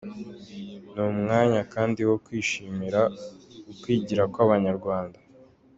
Ni umwanya kandi wo kwishimira ukwigira kw’abanyarwanda.